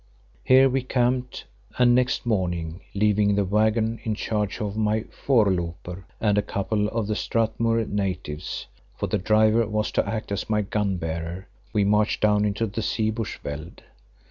Here we camped and next morning, leaving the waggon in charge of my voorlooper and a couple of the Strathmuir natives, for the driver was to act as my gun bearer—we marched down into the sea of bush veld.